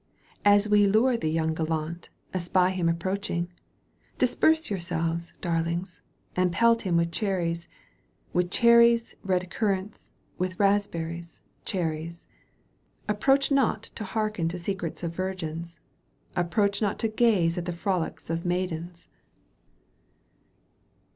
As we lure the young gallant, Espy him approaching, Disperse yourselves, darlings, And pelt him with cherries. With cherries, red currants. With raspberries, cherries. Approach not to hearken To secrets of virgins. Approach not to gaze at The frolics of maidens.